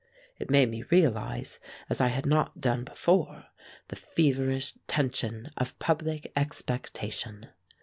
It made me realize, as I had not done before, the feverish tension of public expectation.